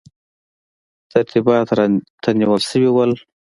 ترتیبات راته نیول شوي وو.